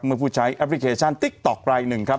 เมื่อผู้ใช้แอพพลิเคชัน๑๒๐๙จึงครับ